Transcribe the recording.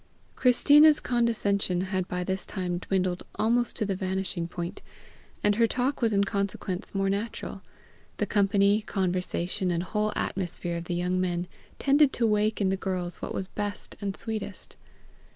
Christina's condescension had by this time dwindled almost to the vanishing point, and her talk was in consequence more natural: the company, conversation, and whole atmosphere of the young men, tended to wake in the girls what was best and sweetest.